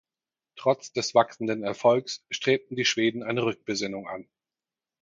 Trotz des wachsenden Erfolgs strebten die Schweden eine Rückbesinnung an.